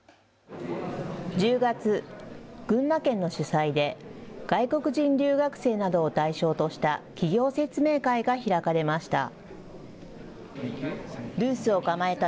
１０月、群馬県の主催で外国人留学生などを対象とした企業説明会が開かれました。